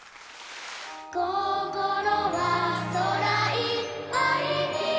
「心は空いっぱいに」